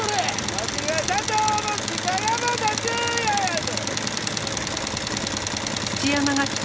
わしが社長の鹿山田順彌やぞ！